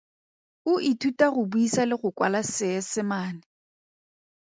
O ithuta go buisa le go kwala Seesimane.